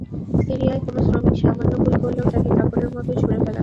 সিরিয়ার কোনো শ্রমিক সামান্য ভুল করলেও তাকে কাপড়ের মতোই ছুড়ে ফেলা হয়।